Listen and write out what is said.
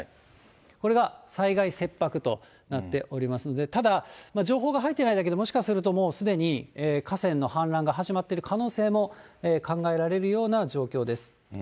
これが災害切迫となっておりますので、ただ、情報が入ってないだけで、もしかするともうすでに、河川の氾濫が始まっている可能性も考えられるような状況です。